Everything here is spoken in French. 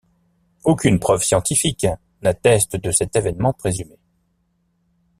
Aucune preuve scientifique n'atteste de cet évènement présumé.